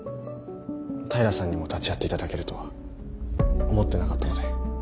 平さんにも立ち会っていただけるとは思ってなかったので。